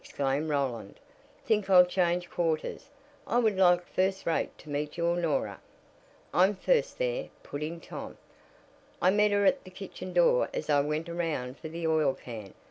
exclaimed Roland. "Think I'll change quarters. I would like first rate to meet your Norah." "I'm first there," put in Tom. "I met her at the kitchen door as I went around for the oil can.